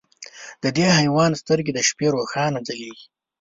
د دې حیوان سترګې د شپې روښانه ځلېږي.